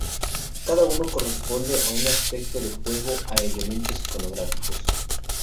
Cada uno corresponde a un aspecto del juego o a elementos iconográficos.